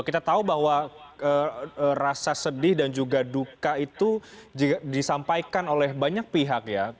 kita tahu bahwa rasa sedih dan juga duka itu disampaikan oleh banyak pihak ya